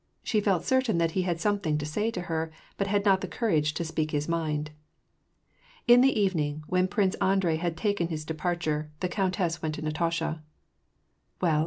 She felt certain that he had something to say to her, but had not the courage to speak his mind. In the evening, when Prince Andrei had taken his depart ure, the countess went to Natasha. " Well